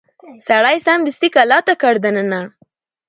سړي سمدستي کلا ته کړ دننه